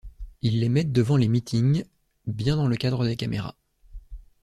Ils les mettent devant dans les meetings, bien dans le cadre des caméras.